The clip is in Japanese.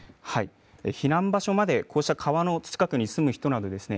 避難場所までこうした川の近くに住む人などですね